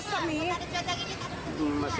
masih kuat ya